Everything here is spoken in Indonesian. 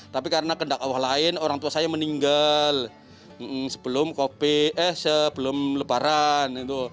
tapi karena kendak awal lain orang tua saya meninggal sebelum lebaran